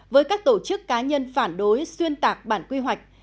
với các tổ chức cá nhân phản đối xuyên tạc bản quy hoạch